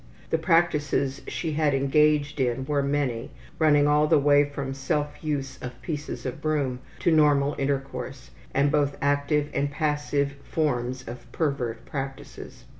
The practices she had engaged in were many, running all the way from self use of pieces of broom to normal intercourse, and both active and passive forms of pervert practices.